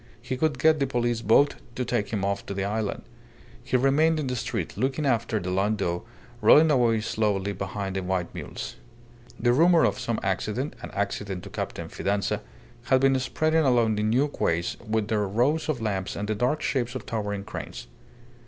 He could get the police boat to take him off to the island. He remained in the street, looking after the landau rolling away slowly behind the white mules. The rumour of some accident an accident to Captain Fidanza had been spreading along the new quays with their rows of lamps and the dark shapes of towering cranes.